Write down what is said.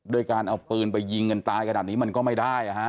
ด้วยการเอาปืนไปยิงกันตายขนาดนี้มันก็ไม่ได้